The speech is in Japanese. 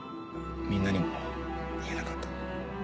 みんなにも言えなかった。